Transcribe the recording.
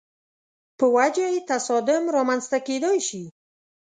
په وجه یې تصادم رامنځته کېدای شي.